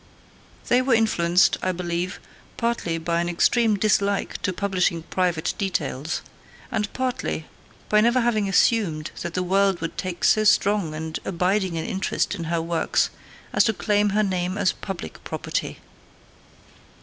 They were influenced, I believe, partly by an extreme dislike to publishing private details, and partly by never having assumed that the world would take so strong and abiding an interest in her works as to claim her name as public property.